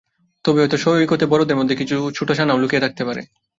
তবে হয়তো সৈকতে বড়দের মধ্যে কিছু ছোট ছানাও লুকিয়ে থাকতে পারে।